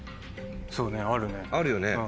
そうねあるね。